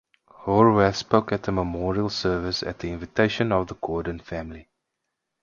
Horwath spoke at the memorial service at the invitation of the Gordon family.